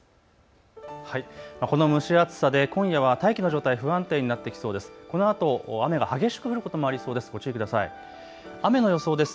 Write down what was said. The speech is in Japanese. この蒸し暑さで今夜は大気の状態不安定になってきそうです。